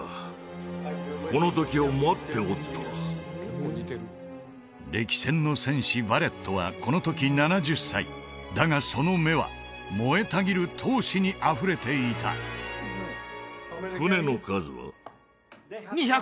これ歴戦の戦士ヴァレットはこの時７０歳だがその目は燃えたぎる闘志にあふれていたほうえっ！